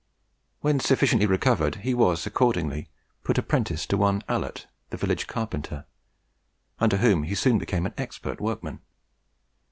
When sufficiently recovered, he was accordingly put apprentice to one Allott, the village carpenter, under whom he soon became an expert workman.